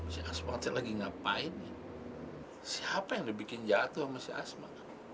si asma tuh lagi ngapain nih siapa yang udah bikin jatuh sama si asma